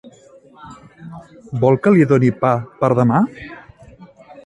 Vol que li doni pa per demà?